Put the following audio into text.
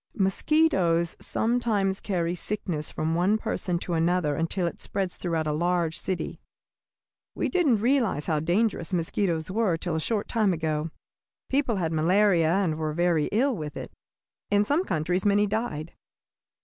Mosquitoes sometimes carry sickness from one person to another until it spreads throughout a large city. We didn't realize how dangerous mosquitoes were till a short time ago. People had malaria, and were very ill with it. In some countries many died.